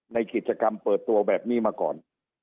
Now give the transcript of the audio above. ในกิจกรรมเปิดตัวแบบนี้มาก่อน